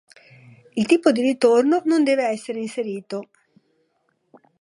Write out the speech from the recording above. Il tipo di ritorno non deve essere inserito.